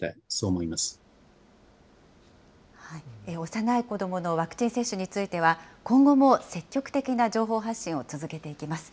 幼い子どものワクチン接種については、今後も積極的な情報発信を続けていきます。